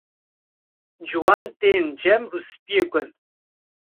Ciwan tên cem rûspiyê gund.